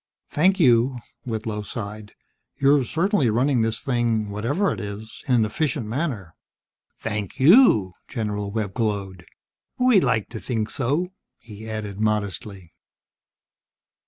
"Thank you," Whitlow sighed. "You're certainly running this thing whatever it is in an efficient manner." "Thank you!" General Webb glowed. "We like to think so," he added modestly.